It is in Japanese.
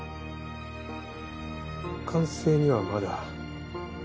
完成にはまだ。